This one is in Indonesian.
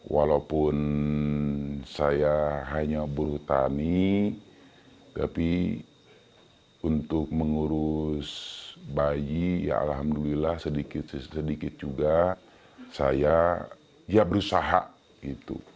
walaupun hanya buru tani bingung saya cari